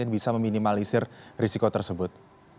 bisa meminimalisir risiko tersebut